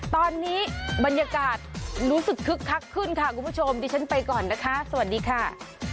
ตอนนี้บรรยากาศรู้สึกคึกคักขึ้นค่ะคุณผู้ชมดิฉันไปก่อนนะคะสวัสดีค่ะ